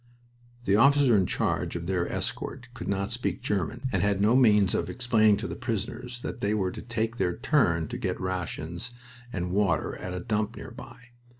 The officer in charge of their escort could not speak German and had no means of explaining to the prisoners that they were to take their turn to get rations and water at a dump nearby.